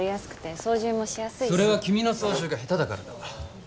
それは君の操縦が下手だからだ。